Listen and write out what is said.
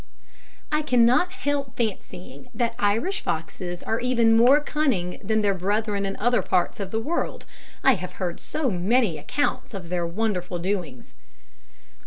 I cannot help fancying that Irish foxes are even more cunning than their brethren in other parts of the world, I have heard so many accounts of their wonderful doings.